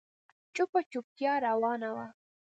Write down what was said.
چوپه چوپتيا روانه وه.